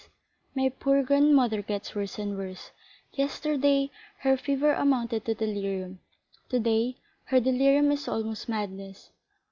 —My poor grandmother gets worse and worse; yesterday her fever amounted to delirium; today her delirium is almost madness.